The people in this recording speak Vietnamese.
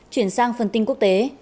chuyển sang phần tin quốc tế